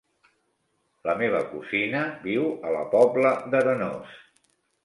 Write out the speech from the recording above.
La meva cosina viu a la Pobla d'Arenós.